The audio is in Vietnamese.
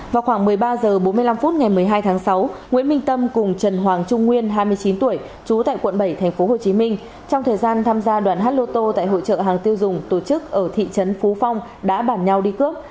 vào khoảng một mươi ba h bốn mươi năm phút ngày một mươi hai tháng sáu nguyễn minh tâm cùng trần hoàng trung nguyên hai mươi chín tuổi trú tại quận bảy tp hcm trong thời gian tham gia đoàn hát lô tô tại hội trợ hàng tiêu dùng tổ chức ở thị trấn phú phong đã bản nhau đi cướp